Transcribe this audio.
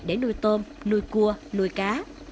để nuôi tôm nuôi cua nuôi cá